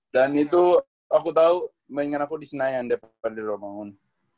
dan itu aku tau mainin aku di senayan daripada rawamangun